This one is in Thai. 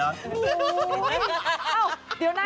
อ้าวเดี๋ยวน่ะ